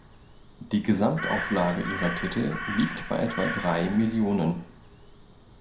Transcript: Die Gesamtauflage ihrer Titel liegt bei etwa drei Millionen.